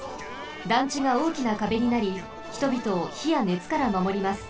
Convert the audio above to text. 団地がおおきなかべになり人びとをひやねつからまもります。